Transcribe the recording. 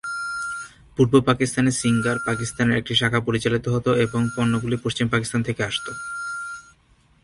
পূর্ব পাকিস্তানে সিঙ্গার পাকিস্তানের একটি শাখা পরিচালিত হত এবং পণ্যগুলি পশ্চিম পাকিস্তান থেকে আসত।